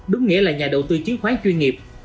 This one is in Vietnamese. đúng nghĩa là nhà đầu tư chiến khoán chuyên nghiệp